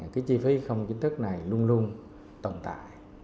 cái chi phí không chính thức này luôn luôn tồn tại